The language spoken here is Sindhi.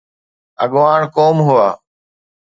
اڳواڻ قوم هئا.